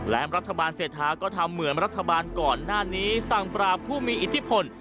และรัฐบาลเศรษฐาก็ทำเหมือนรัฐบาลก่อนหน้านี้สั่งปราบผู้มีอิทธิพล